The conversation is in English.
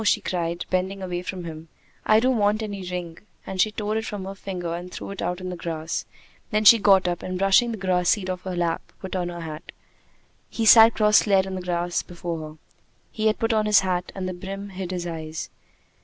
she cried, bending away from him. "I don't want any ring!" and she tore it from her finger and threw it out on the grass. Then she got up, and, brushing the grass seed off her lap, put on her hat. He sat cross legged on the grass before her. He had put on his hat, and the brim hid his eyes.